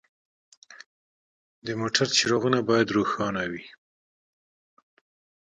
د موټر څراغونه باید روښانه وي.